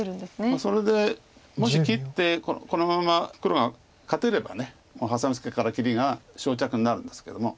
それでもし切ってこのまま黒が勝てればハサミツケから切りが勝着になるんですけども。